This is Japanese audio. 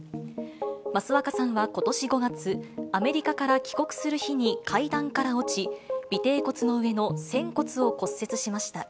益若さんはことし５月、アメリカから帰国する日に階段から落ち、尾てい骨の上の仙骨を骨折しました。